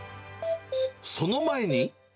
その前に。